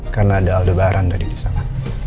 karena ada aldebaran tadi disana